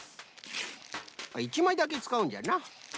あっ１まいだけつかうんじゃな。